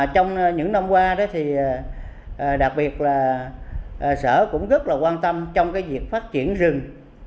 trong những năm qua đặc biệt là sở cũng rất quan tâm trong việc phát triển rừng